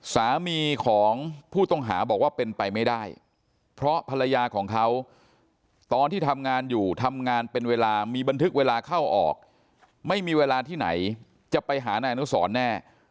สามีของผู้ต้องหาบอกว่าเป็นไปไม่ได้เพราะภรรยาของเขาตอนที่ทำงานอยู่ทำงานเป็นเวลามีบันทึกเวลาเข้าออกไม่มีเวลาที่ไหนจะไปหานายอนุสรแน่